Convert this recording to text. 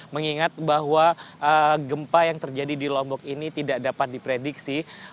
mengingat bahwa gempa yang terjadi di lombok ini tidak dapat diprediksi